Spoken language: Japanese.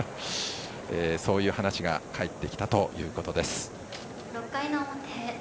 そういう話が入ってきたということです。